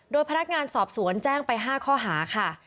โดยพนักงานสอบสวนแจ้งไป๕ข้อหาค่ะ